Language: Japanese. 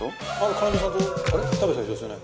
彼女さんと食べてた人ですよね。